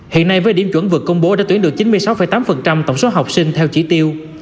hiện nay với điểm chuẩn vừa công bố đã tuyển được chín mươi sáu tám tổng số học sinh theo chỉ tiêu